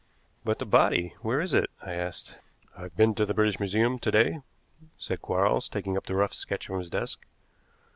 "But the body where is it?" I asked. "I've been to the British Museum to day," said Quarles, taking up the rough sketch from his desk.